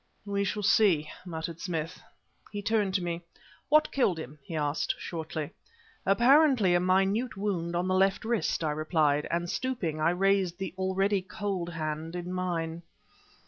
"We shall see," muttered Smith. He turned to me "What killed him?" he asked, shortly. "Apparently, a minute wound on the left wrist," I replied, and, stooping, I raised the already cold hand in mine.